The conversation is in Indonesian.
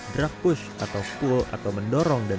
drag push atau spool atau mengejar